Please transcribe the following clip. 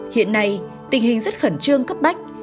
hiện nay tình hình rất khẩn trương cấp bách